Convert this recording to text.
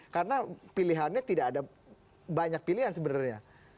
karena pilihannya tidak ada banyak pilihan sebenarnya